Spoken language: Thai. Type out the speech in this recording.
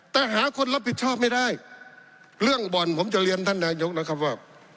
แต่หาคนรับผิดชอบไม่ได้เรื่องบ่อนผมจะเรียนท่านนายกนะครับว่า